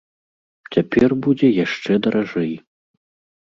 Цяпер будзе яшчэ даражэй.